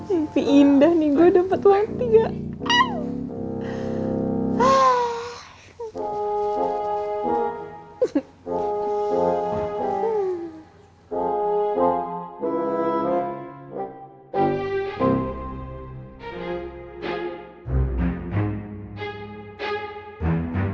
mimpi indah nih gue dapet waktu yang tiga